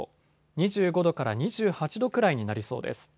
２５度から２８度くらいになりそうです。